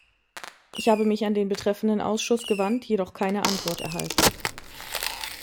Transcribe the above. Ich habe mich an den betreffenden Ausschuss gewandt, jedoch keine Antwort erhalten.